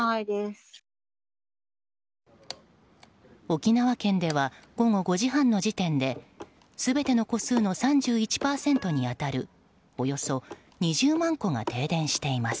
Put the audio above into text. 沖縄県では午後５時半の時点で全ての戸数の３１％に当たるおよそ２０万戸が停電しています。